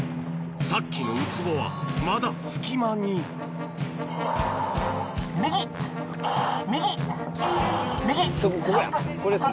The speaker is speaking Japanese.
さっきのウツボはまだ隙間にここやこれですね。